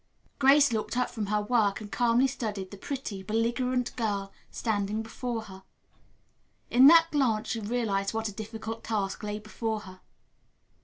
Grace looked up from her work and calmly studied the pretty, belligerent girl standing before her. In that glance she realized what a difficult task lay before her.